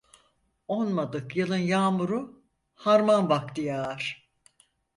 Onmadık yılın yağmuru harman vakti yağar.